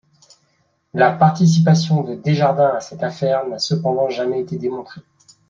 La participation de Desjardins à cette affaire n'a cependant jamais été démontrée.